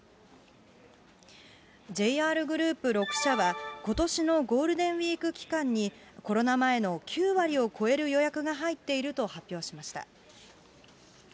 ＪＲグループ６社は、ことしのゴールデンウィーク期間に、コロナ前の９割を超える予約が入っていると発表しました。